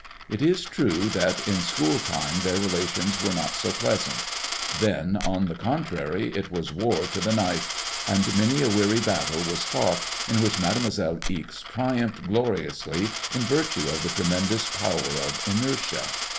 It is true that in school time their relations were not so pleasant. Then, on the con trary, it was war to the knife, and many a weary battle was fought, in which Mademoiselle Ixe triumphed gloriously in virtue of the tremendous power of inertia.